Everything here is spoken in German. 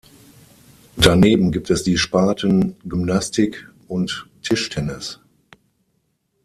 Daneben gibt es die Sparten Gymnastik und Tischtennis.